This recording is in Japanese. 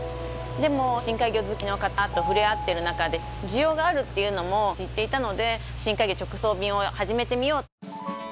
でも深海魚好きの方と触れ合ってる中で需要があるっていうのも知っていたので深海魚直送便を始めてみよう。